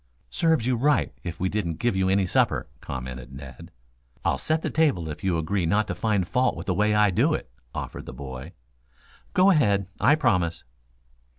"Serve you right if we didn't give you any supper," commented Ned. "I'll set the table if you will agree not to find fault with the way I do it," offered the boy. "Go ahead. I'll promise."